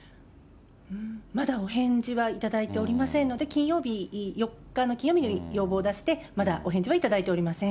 まだお返事は頂いておりませんので、金曜日、４日の金曜日に要望を出して、まだお返事は頂いておりません。